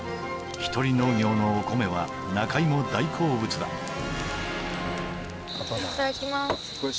ひとり農業のお米は中居も大好物だいただきます